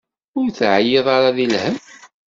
Ur teɛyiḍ ara di lhemm?